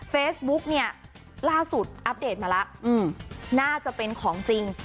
เฟซบุ๊กเนี่ยล่าสุดอัปเดตมาแล้วน่าจะเป็นของจริง